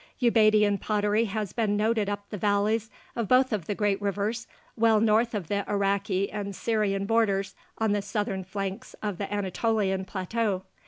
Ubaidian pottery has been noted up the valleys of both of the great rivers, well north of the Iraqi and Syrian borders on the southern flanks of the Anatolian plateau.